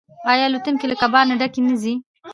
آیا الوتکې له کبانو ډکې نه ځي؟